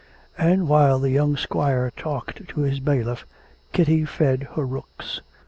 And while the young squire talked to his bailiff Kitty fed her rooks.